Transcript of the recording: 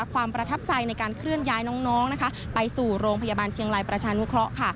ความประทับใจในการเคลื่อนย้ายน้องไปสู่โรงพยาบาลเชียงรายประชานุเคราะห์